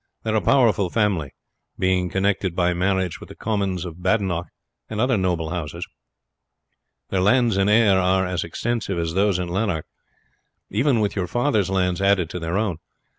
They are a powerful family, being connected by marriage with the Comyns of Badenoch, and other noble houses. Their lands in Ayr are as extensive as those in Lanark, even with your father's lands added to their own.